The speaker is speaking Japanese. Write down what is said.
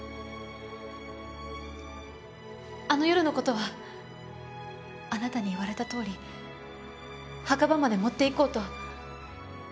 あの夜の事はあなたに言われたとおり墓場まで持っていこうと。